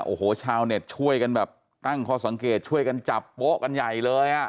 โอ้โหชาวเน็ตช่วยกันแบบตั้งข้อสังเกตช่วยกันจับโป๊ะกันใหญ่เลยอ่ะ